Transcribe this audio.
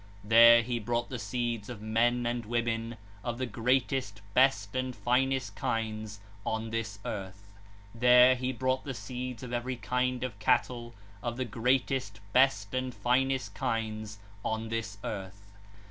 35 (106). There he brought the seeds of men and women, of the greatest, best, and finest kinds on this earth; there he brought the seeds of every kind of cattle, of the greatest, best, and finest kinds on this earth.